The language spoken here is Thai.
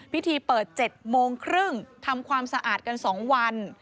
พิธีเปิด๗โมงครึ่งทำความสะอาดกัน๒วัน